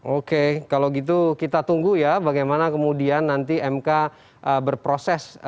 oke kalau gitu kita tunggu ya bagaimana kemudian nanti mk berproses